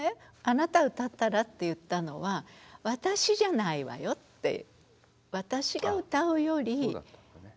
「あなた歌ったら」って言ったのは私じゃないわよって。